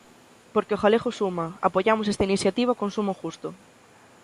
Porque o galego suma, apoiamos esta iniciativa con sumo gusto.